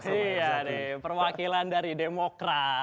iya nih perwakilan dari demokrat